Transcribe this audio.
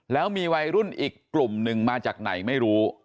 แล้วมีวัยรุ่นอีกกลุ่มหนึ่งมาจากไหนไม่รู้